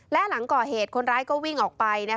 และหลังก่อเหตุคนร้ายก็วิ่งออกไป